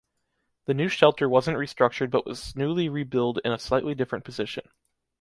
The new shelter wasn’t restructured but was newly rebuild in a slightly different position.